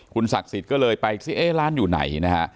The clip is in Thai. คุณศักดิ์ศิษย์ก็เลยไปเอ๊ะร้านอยู่ไหนนะฮะ